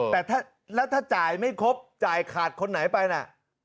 แต่ถ้าจ่ายไม่ครบจ่ายขาดคนไหนไปนะ